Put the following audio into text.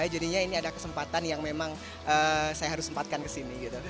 jadinya ini ada kesempatan yang memang saya harus sempatkan kesini gitu